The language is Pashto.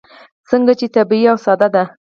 ځکه چې طبیعي او ساده ده.